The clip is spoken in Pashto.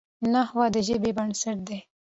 نحوه د ژبي بنسټ دئ.